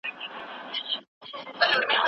پر انسانانو د حکومت کولو لاري چاري زده کړئ.